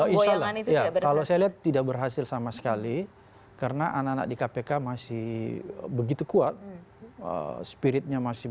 insya allah ya kalau saya lihat tidak berhasil sama sekali karena anak anak di kpk masih begitu kuat spiritnya masih